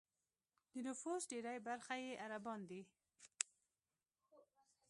د نفوس ډېری برخه یې عربان دي.